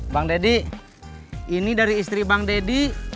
bang deddy ini dari istri bang deddy